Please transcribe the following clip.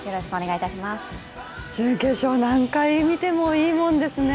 準決勝、何回見てもいいもんですね。